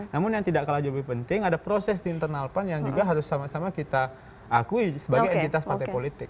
namun yang tidak kalah jauh lebih penting ada proses di internal pan yang juga harus sama sama kita akui sebagai entitas partai politik